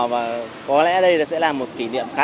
và có lẽ đây sẽ là một kỷ niệm của tôi